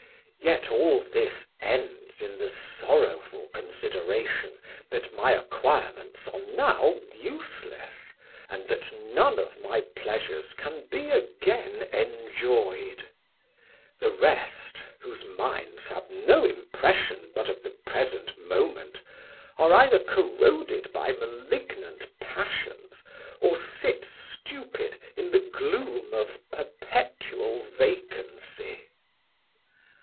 Yet all this ends in the sorrowful consideration that my acquirements are now useless, and that none of my pleasures can be again enjoyed. The rest, whose minds have no impression but of the present moment, are either corroded by malignant passions or sit stupid in the gloom of perpetual vacancy."